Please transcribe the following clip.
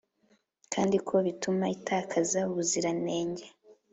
kandi ko bituma itakaza ubuziranenge.